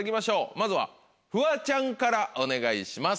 まずはフワちゃんからお願いします。